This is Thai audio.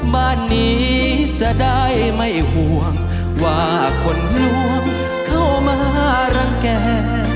บ้านนี้จะได้ไม่ห่วงว่าคนรวมเข้ามารังแก่